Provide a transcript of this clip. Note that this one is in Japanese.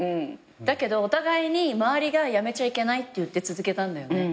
だけどお互いに周りが辞めちゃいけないって言って続けたんだよね。